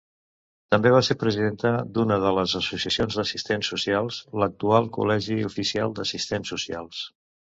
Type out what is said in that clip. També va ser presidenta d'una de les associacions d'assistents socials, l'actual Col·legi Oficial d'Assistents Socials.